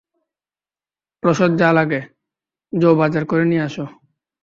রসদ যা লাগে, জো বাজার করে নিয়ে আসে।